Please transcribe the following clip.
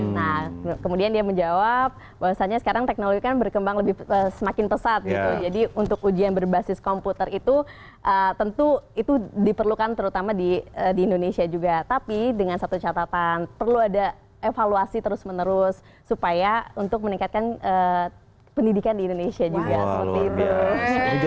nah kemudian dia menjawab bahasanya sekarang teknologi kan berkembang lebih semakin pesat ya jadi untuk ujian berbasis komputer itu tentu itu diperlukan terutama di indonesia juga tapi dengan satu catatan perlu ada evaluasi terus menerus supaya untuk meningkatkan pendidikan di indonesia juga